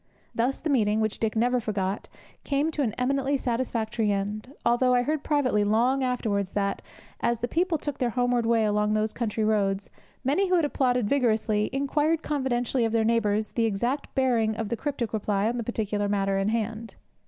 Thus the meeting, which Dick never forgot, came to an eminently satisfactory end, although I heard privately long afterwards that, as the people took their homeward way along those country roads, many who had applauded vigorously inquired confidentially of their neighbours the exact bearing of the cryptic reply on the particular matter in hand.